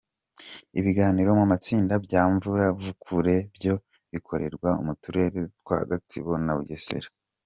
Ibiganiro mu matsinda bya Mvura nkuvure byo bikorerwa mu turere twa Gatsibo na Bugesera.